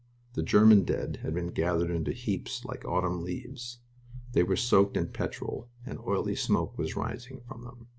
The German dead had been gathered into heaps like autumn leaves. They were soaked in petrol and oily smoke was rising from them....